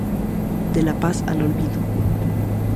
De la paz al olvido.